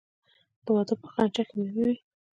د واده په خنچه کې میوه وي.